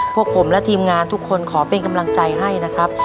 พวกผมและทีมงานทุกคนขอเป็นกำลังใจให้นะครับ